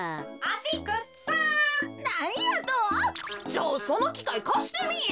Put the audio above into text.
ちょおそのきかいかしてみい！